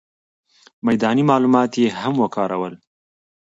میداني معلومات یې هم وکارول.